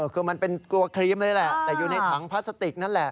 คือมันเป็นกลัวครีมเลยแหละแต่อยู่ในถังพลาสติกนั่นแหละ